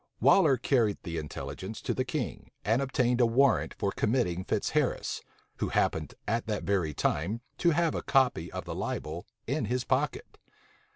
Waller carried the intelligence to the king, and obtained a warrant for committing Fitzharris, who happened at that very time to have a copy of the libel in his pocket.